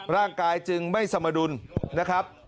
ร่างกายจึงไม่สมดุลนะครับ